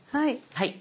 はい。